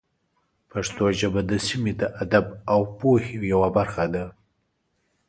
پښتو ژبه د سیمې د ادب او پوهې یوه برخه ده.